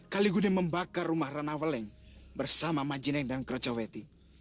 kalingundil membakar rumah ranawaleng bersama majineng dan krecoweti